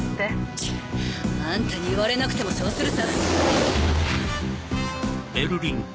チッあんたに言われなくてもそうするさ。